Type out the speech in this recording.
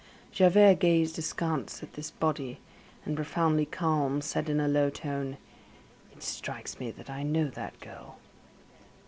Javert gazed askance at this body, and, profoundly calm, said in a low tone: "It strikes me that I know that girl."